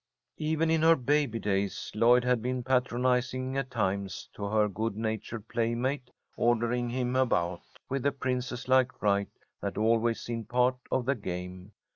Even in her baby days, Lloyd had been patronizing at times to her good natured playmate, ordering him about with a princess like right that always seemed part of the game.